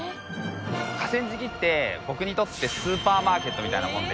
河川敷って僕にとってスーパーマーケットみたいなもので。